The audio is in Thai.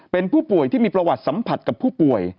เป็นผู้ป่วยที่มีประวัติสัมผัสกับผู้ป่วย